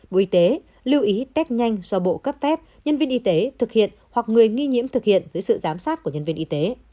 bộ y tế lưu ý test nhanh do bộ cấp phép nhân viên y tế thực hiện hoặc người nghi nhiễm thực hiện dưới sự giám sát của nhân viên y tế